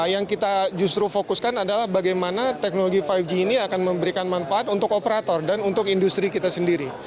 yang kita justru fokuskan adalah bagaimana teknologi lima g ini akan memberikan manfaat untuk operator dan untuk industri kita sendiri